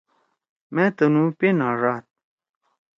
مأ تُنُو پِن ہاڙاد۔